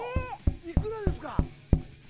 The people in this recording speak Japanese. いくらですか？